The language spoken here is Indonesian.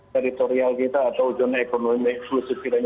teritorial kita atau ujung ekonomi eksekusi